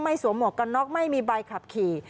สวมหมวกกันน็อกไม่มีใบขับขี่